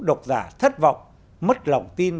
độc giả thất vọng mất lòng tin